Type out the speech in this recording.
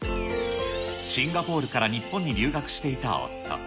シンガポールから日本に留学していた夫。